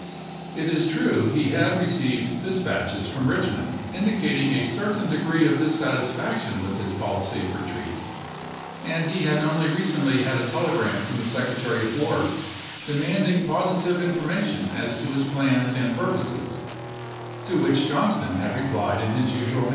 It is true he had received dispatches from Richmond indicating a certain degree of dissatis faction with his policy of retreat, and he had only recently had a telegram from the Secretary of War demanding positive information as to his plans and purposes, to which Johnston had replied in his usual f?